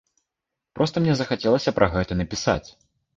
Проста мне захацелася пра гэта напісаць.